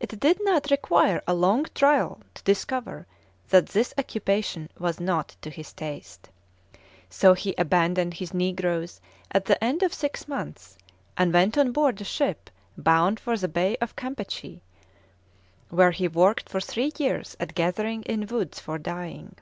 It did not require a long trial to discover that this occupation was not to his taste. So he abandoned his negroes at the end of six months, and went on board a ship bound for the Bay of Campeachy, where he worked for three years at gathering in woods for dyeing.